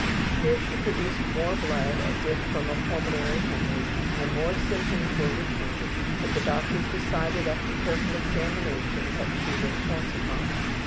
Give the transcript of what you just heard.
Here she produced more blood as if from a pulmonary hemorrhage and more symptoms were recounted, but the doctors decided after careful examination that she was falsifying.